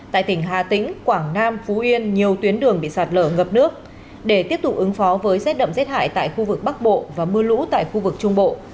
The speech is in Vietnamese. tại tỉnh hà tĩnh quảng nam phú yên nhiều tuyến đường bị sạt lở ngập nước để tiếp tục ứng phó với rét đậm rét hại tại khu vực bắc bộ và mưa lũ tại khu vực trung bộ